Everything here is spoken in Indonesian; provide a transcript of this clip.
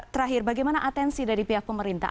terakhir bagaimana atensi dari pihak pemerintah